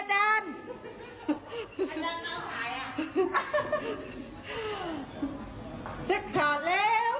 อาจารย์ลองสายอ่ะ